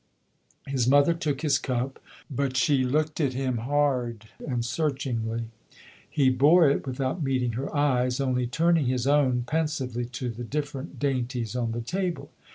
His mother took his cup, but she look at him hard and searchingly. He bore it without meeting her eyes, only turning his own pensively to the different dainties on the table.